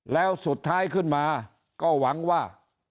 แล้วสุดท้ายขึ้นมาก็หวังว่า